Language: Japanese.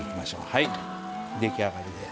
はい出来上がりです。